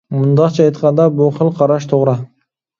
مۇنداقچە ئېيتقاندا بۇ خىل قاراش توغرا.